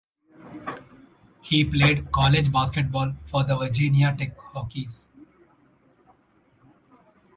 He played college basketball for the Virginia Tech Hokies.